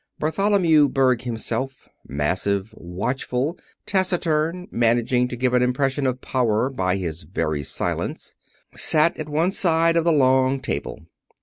Bartholomew Berg himself, massive, watchful, taciturn, managing to give an impression of power by his very silence, sat at one side of the long table.